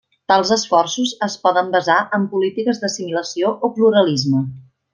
Tals esforços es poden basar en polítiques d'assimilació o pluralisme.